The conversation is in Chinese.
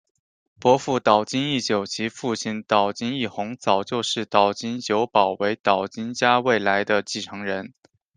伯父岛津义久及父亲岛津义弘早就视岛津久保为岛津家未来的继承人。